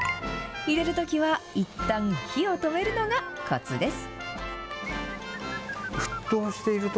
入れるときはいったん火を止めるのがこつです。